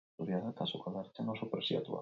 Obra horietako asko zinemara egokitu ziren gero.